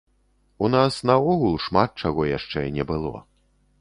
У нас наогул шмат чаго яшчэ не было.